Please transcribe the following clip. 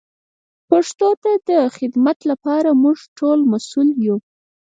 پښتو ته د خدمت لپاره موږ ټول مسئول یو.